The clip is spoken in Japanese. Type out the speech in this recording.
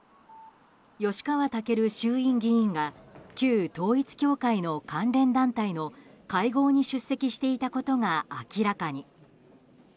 吉川赳衆院議員が旧統一教会の関連団体の会合に出席していたことが明らかに。